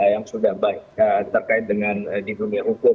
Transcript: yang sudah baik terkait dengan di dunia hukum